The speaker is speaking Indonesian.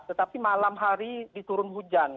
tetapi malam hari diturun hujan